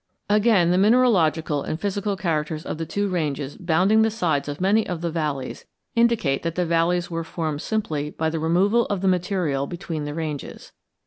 Again, the mineralogical and physical characters of the two ranges bounding the sides of many of the valleys indicate that the valleys were formed simply by the removal of the material between the ranges.